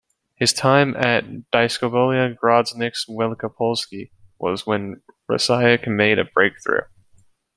His time at Dyskobolia Grodzisk Wielkopolski was when Rasiak made a breakthrough.